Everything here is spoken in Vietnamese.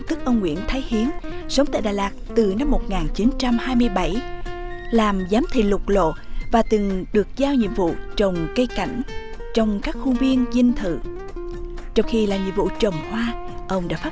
chúc quý vị thương hiểu về thank you chúc quý vị tự nhiên tự nhiên tự nhiên giúp đỡ gia đình xin chào và hẹn gặp lại